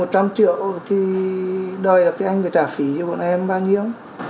một trăm linh triệu thì đòi là tiếng anh phải trả phí cho bọn em bao nhiêu